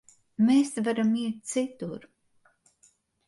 Mēs varam iet citur.